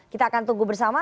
kita akan tunggu bersama